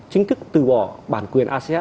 chính thức từ bỏ bản quyền acs